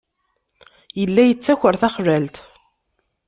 Yella yettaker taxlalt.